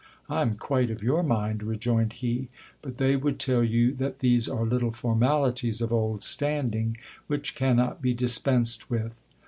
I am quite of your mind, rejoined he ; but they would tell you that these are little formalities of old standing, which cannot be dispensed with.